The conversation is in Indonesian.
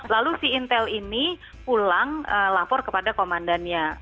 lalu si intel ini pulang lapor kepada komandannya